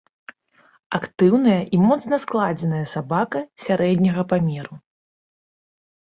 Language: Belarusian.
Актыўная і моцна складзеная сабака сярэдняга памеру.